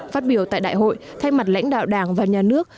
phát biểu tại đại hội thay mặt lãnh đạo đảng và nhà nước